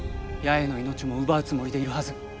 八重の命も奪うつもりでいるはず。